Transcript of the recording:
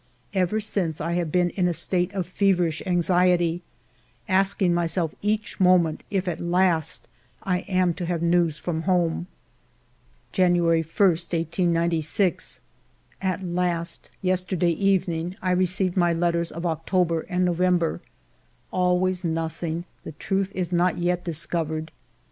Ever since, I have been in a state of feverish anxiety, asking myself each mo ment if at last I am to have news from home. January i, 1896. At last, yesterday evening, I received my letters of October and November. Always nothing : the truth is not yet discovered.